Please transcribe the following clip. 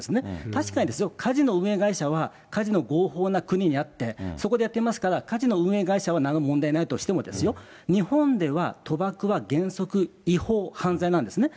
確かに、カジノ運営会社はカジノ合法な国にあって、そこでやってますから、カジノ運営会社はなんの問題もないとしてもですよ、日本では賭博は原則違法、犯罪なんですね。